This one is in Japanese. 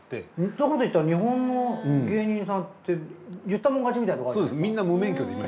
そんなこといったら日本の芸人さんって言ったもん勝ちみたいなとこあるじゃないですか。